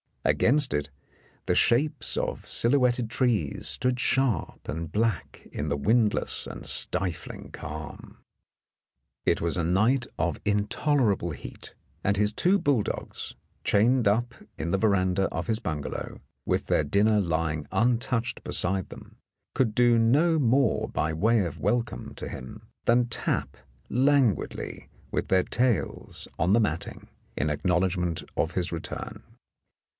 Against it the shapes of silhouetted trees stood sharp and black in the windless and stifling calm. It was a night of intolerable heat, and his two bulldogs, chained up in the veranda of his bunga low, with their dinner lying untouched beside them, could do no more by way of welcome to him than tap languidly with their tails on the matting in acknow ledgment of his return.